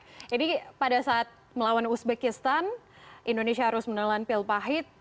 jadi pada saat melawan uzbekistan indonesia harus menelan pil pahit